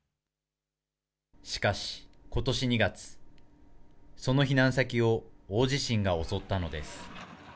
しかし、ことし２月、その避難先を大地震が襲ったのです。